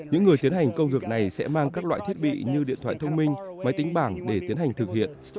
những người tiến hành công việc này sẽ mang các loại thiết bị như điện thoại thông minh máy tính bảng để tiến hành thực hiện